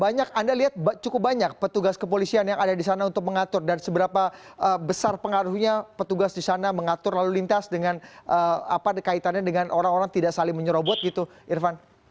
banyak anda lihat cukup banyak petugas kepolisian yang ada di sana untuk mengatur dan seberapa besar pengaruhnya petugas di sana mengatur lalu lintas dengan apa kaitannya dengan orang orang tidak saling menyerobot gitu irfan